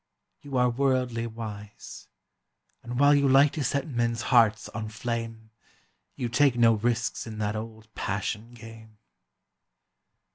You are worldly wise, And while you like to set men's hearts on flame, You take no risks in that old passion game.